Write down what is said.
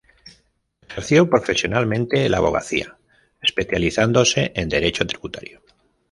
Ejerció profesionalmente la abogacía, especializándose en Derecho Tributario.